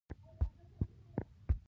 خپلو ځانونو ته يې منفي افکار تلقين کړي دي.